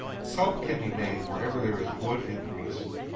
Soap can be made wherever there is wood and grease.